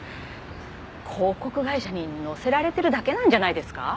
広告会社に乗せられてるだけなんじゃないですか？